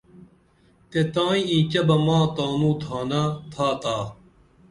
تے تائی اینچہ بہ ماں تانو تھانہ تھاتا